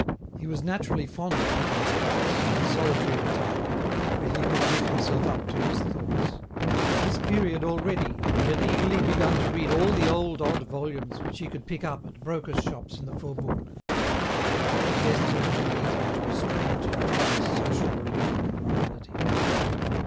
He was naturally fond of hidden spots, of solitary retirement, where he could give himself up to his thoughts. At this period already he had eagerly begun to read all the old odd volumes which he could pick up at brokers' shops in the Faubourg, and which were destined to lead him to a strange and generous social religion and morality.